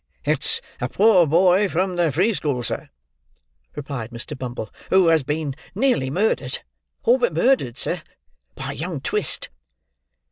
"It's a poor boy from the free school, sir," replied Mr. Bumble, "who has been nearly murdered—all but murdered, sir,—by young Twist."